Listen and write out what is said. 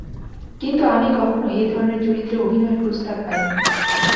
কিন্তু আমি কখনোই এ ধরনের চরিত্রে অভিনয়ের প্রস্তাব পাইনি।